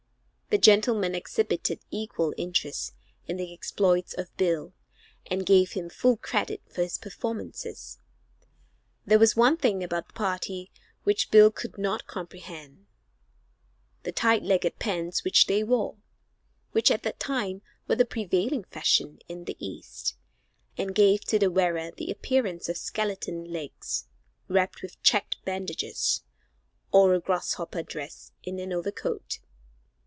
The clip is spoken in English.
The gentlemen exhibited equal interest in the exploits of Bill, and gave him full credit for his performances. There was one thing about the party which Bill could not comprehend, viz.: the tight legged pants which they wore which at that time were the prevailing fashion in the East and gave to the wearer the appearance of skeleton legs, wrapped with checked bandages, or a grasshopper dressed in an overcoat.